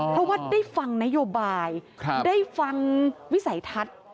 เพราะว่าได้ฟังนโยบายได้ฟังวิสัยทัศน์